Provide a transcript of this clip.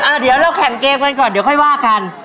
เดี๋ยวเราแข่งเกมกันก่อนเดี๋ยวค่อยว่ากัน